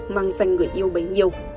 mang dành người yêu bấy nhiêu